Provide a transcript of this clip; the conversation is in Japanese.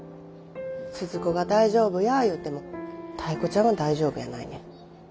鈴子が大丈夫や言うてもタイ子ちゃんは大丈夫やないねん。